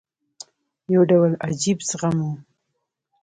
یو ډول عجیب زغم وو.